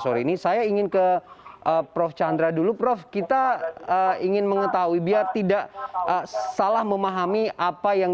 sore ini saya ingin ke prof chandra dulu prof kita ingin mengetahui biar tidak salah memahami apa yang